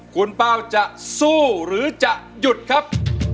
คุณเป้าจะสู้หรือจะหยุดครับ